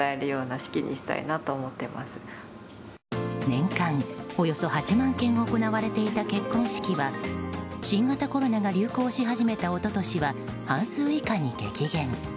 年間およそ８万件行われていた結婚式は新型コロナが流行し始めた一昨年は半数以下に激減。